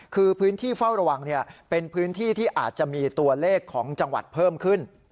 คือพื้นที่เฝ้าระวังเป็นพื้นที่ที่อาจจะมีตัวเลขของจังหวัดเพิ่มขึ้น